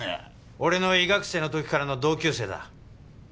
俺の医学生の時からの同級生だ。